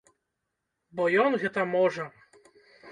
Бо ён гэта можа!